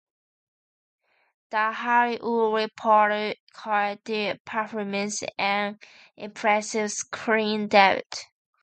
The Hollywood Reporter called their performance ‘an impressive screen debut.